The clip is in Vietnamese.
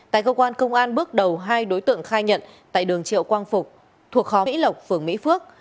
tại cơ quan công an bước đầu hai đối tượng khai nhận tại đường triệu quang phục thuộc khó mỹ lộc phường mỹ phước